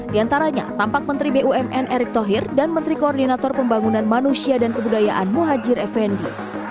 di antaranya tampak menteri bumn erick thohir dan menteri koordinator pembangunan manusia dan kebudayaan muhajir effendi